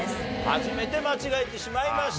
初めて間違えてしまいました。